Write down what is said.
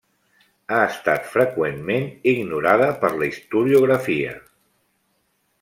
Ha estat freqüentment ignorada per la historiografia.